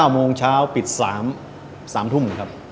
โมงเช้าปิด๓ทุ่มครับ